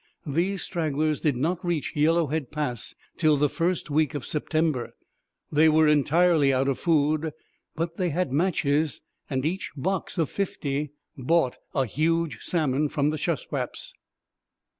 These stragglers did not reach Yellowhead Pass till the first week of September. They were entirely out of food; but they had matches, and each box of fifty bought a huge salmon from the Shuswaps.